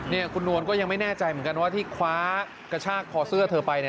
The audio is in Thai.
นี่คุณนวลก็ยังไม่แน่ใจเหมือนกันว่าที่คว้ากระชากคอเสื้อเธอไป